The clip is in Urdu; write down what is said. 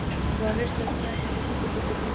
ڈالر سستا ہے۔